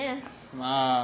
まあ。